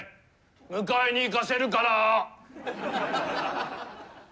迎えに行かせるから。